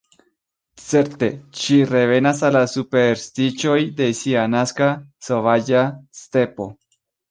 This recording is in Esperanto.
Certe, ŝi revenas al la superstiĉoj de sia naska sovaĝa stepo.